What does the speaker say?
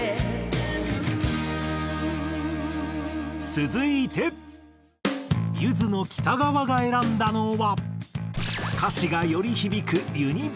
続いてゆずの北川が選んだのは。